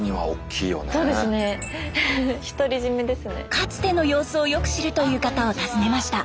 かつての様子をよく知るという方を訪ねました。